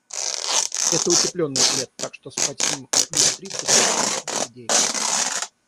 Это утеплённый плед, так что спать с ним в плюс тридцать такая себе идейка.